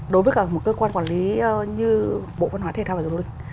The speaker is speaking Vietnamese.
đối với cả một cơ quan quản lý như bộ văn hóa thể thao và giáo linh